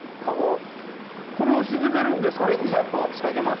これを沈めるんですか？